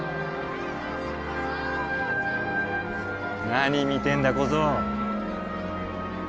何見てんだ小僧